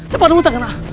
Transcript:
cepat muntahkan nak